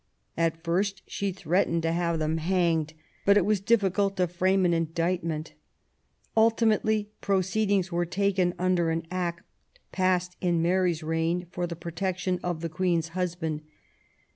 At first she threatened to have them hanged ; but it was difficult to frame an indictment. Ultimately proceedings were taken under an Act passed in Mary's reign for the protection of the Queen's husband.